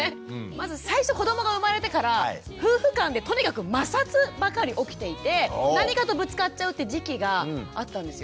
まず最初子どもが生まれてから夫婦間でとにかく摩擦ばかり起きていて何かとぶつかっちゃうって時期があったんですよ。